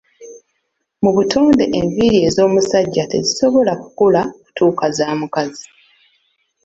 Mu butonde enviiri ez'omusajja tezisobola kukula kutuuka za mukazi.